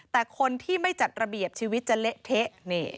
แต่คนที่ไม่จัดระเบียบชีวิตจะเละเทะ